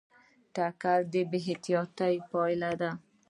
ټکر د بې احتیاطۍ پایله ده.